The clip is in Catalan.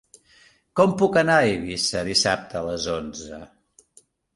Com puc anar a Eivissa dissabte a les onze?